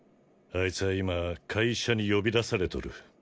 あいつは今会社に呼び出されとる。